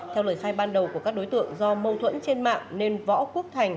theo lời khai ban đầu của các đối tượng do mâu thuẫn trên mạng nên võ quốc thành